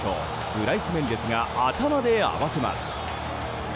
ブライス・メンデスが頭で合わせます。